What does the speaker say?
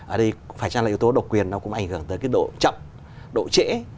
ở đây phải chăng là yếu tố độc quyền nó cũng ảnh hưởng tới cái độ chậm độ trễ